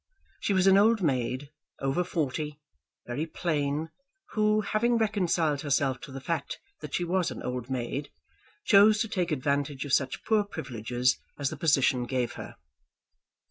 She was an old maid, over forty, very plain, who, having reconciled herself to the fact that she was an old maid, chose to take advantage of such poor privileges as the position gave her.